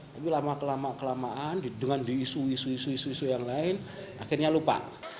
tapi lama kelamaan dengan diisu isu yang lain akhirnya lupa